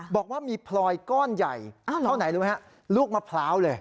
บอกว่ามีพลอยก้อนใหญ่เท่าไหนรู้ไหมฮะลูกมะพร้าวเลย